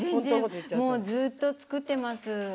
もうずっと作ってます。